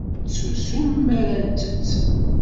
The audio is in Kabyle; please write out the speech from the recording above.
Ttsusum mi ara nttett.